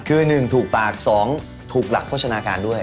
คือหนึ่งถูกปากสองถูกหลักโภชนาการด้วย